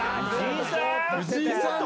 藤井さん？